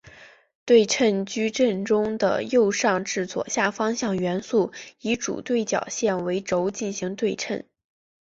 对称矩阵中的右上至左下方向元素以主对角线为轴进行对称。